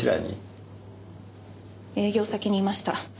営業先にいました。